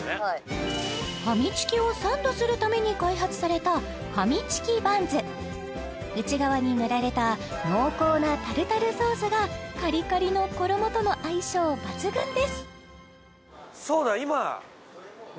ファミチキをサンドするために開発された内側に塗られた濃厚なタルタルソースがカリカリの衣との相性抜群ですそうだ